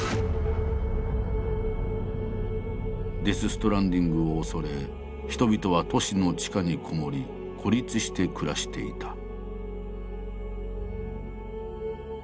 デス・ストランディングを恐れ人々は都市の地下にこもり孤立して暮らしていた。